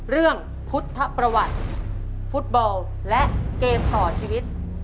เรื่องพุทธประวัติฟุตบอลและเกมต่อชีวิต